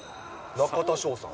中田翔さん。